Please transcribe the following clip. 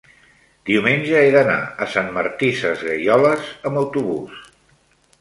diumenge he d'anar a Sant Martí Sesgueioles amb autobús.